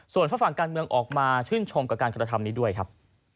ส่วนฝ้าฝั่งการเมืองออกมาชื่นชมกับการกระทำนี้ด้วยครับ